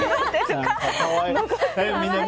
可愛い。